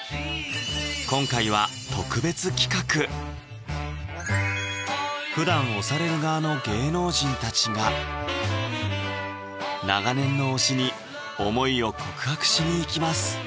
今回はふだん推される側の芸能人たちが長年の推しに思いを告白しに行きます